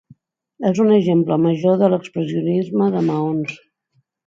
És un exemple major de l'expressionisme de maons.